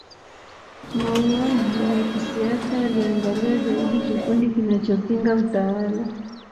mauaji ya kisiasa yaliangalia zaidi kikundi kinachopinga utawala